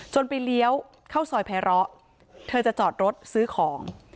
ไปเลี้ยวเข้าซอยไพร้อเธอจะจอดรถซื้อของ